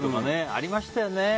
ありましたよね。